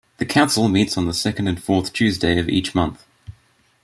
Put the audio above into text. The council meets on the second and fourth Tuesday of each month.